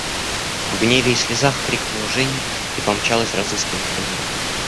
В гневе и слезах крикнула Женя и помчалась разыскивать Тимура.